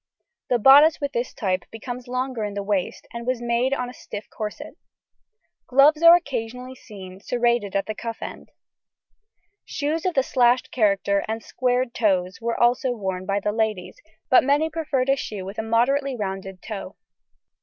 The bodice with this type becomes longer in the waist, and was made on a stiff corset. Gloves are occasionally seen, serrated at the cuff end. Shoes of the slashed character and square toes were also worn by the ladies, but many preferred a shoe with a moderately rounded toe.